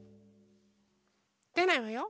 でないわよ。